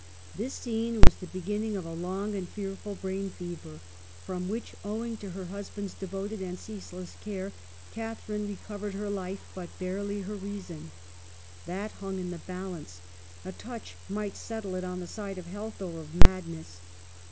This scene was the beginning of a long and fearful brain fever, from which, owing to her husband's devoted and ceaseless care, Catharine recovered her life, but barely her reason. That hung in the balance, a touch might settle it on the side of health or of madness.